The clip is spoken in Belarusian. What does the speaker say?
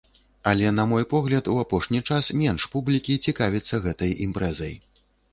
Але, на мой погляд, у апошні час менш публікі цікавіцца гэтай імпрэзай.